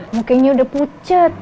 makanya udah pucet